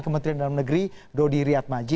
kementerian dalam negeri dodi riyadmaji